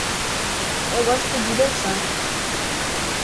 Eu gosto de dançar.